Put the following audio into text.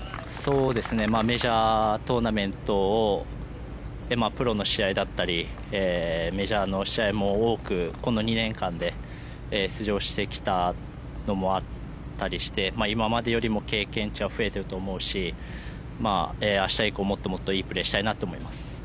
メジャートーナメントをプロの試合だったりメジャーの試合も多くこの２年間で出場してきたのもあったりして今までよりも経験値は増えていると思うし明日以降、もっともっといいプレーをしたいと思っています。